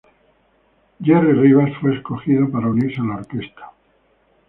Jerry Rivas fue escogido para unirse a la orquesta.